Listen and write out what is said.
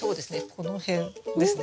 この辺ですね。